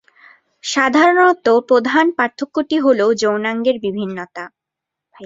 সাধারণত প্রধান পার্থক্যটি হল যৌনাঙ্গের বিভিন্নতা।